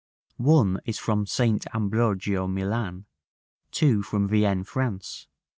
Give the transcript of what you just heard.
1 is from St. Ambrogio, Milan; 2 from Vienne, France.